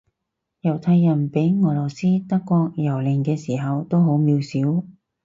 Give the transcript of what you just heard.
猶太人畀俄羅斯德國蹂躪嘅時候都好渺小